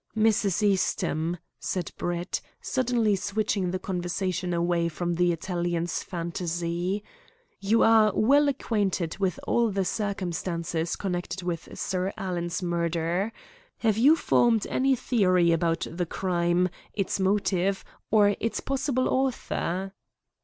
"Mrs. Eastham," said Brett, suddenly switching the conversation away from the Italian's fantasy, "you are well acquainted with all the circumstances connected with Sir Alan's murder. Have you formed any theory about the crime, its motive, or its possible author?"